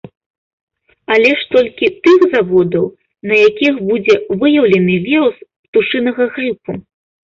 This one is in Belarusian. Але ж толькі тых заводаў, на якіх будзе выяўлены вірус птушынага грыпу.